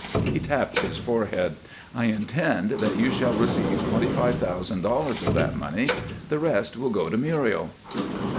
He tapped his forehead. "I intend that you shall receive twenty five thousand dollars of that money; the rest will go to Muriel."